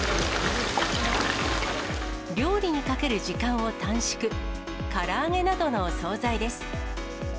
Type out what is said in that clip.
料理にかける時間を短縮、から揚げなどの総菜です。